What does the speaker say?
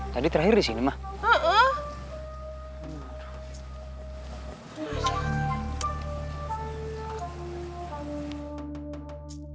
tadi terakhir di sini mah